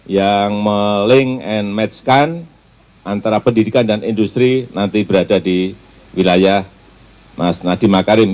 yang melingkirkan antara pendidikan dan industri nanti berada di wilayah mas nadiem makarim